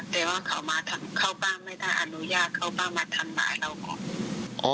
แต่ว่าเขาไม่ได้อนุญาตเขาบ้างมาทำร้ายเราก่อน